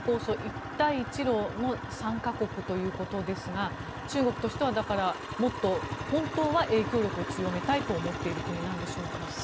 一帯一路の参加国ということですが中国としてはもっと本当は影響力を強めたいと思っている国なんでしょうか。